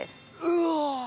うわ！